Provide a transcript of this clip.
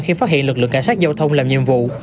khi phát hiện lực lượng cảnh sát giao thông làm nhiệm vụ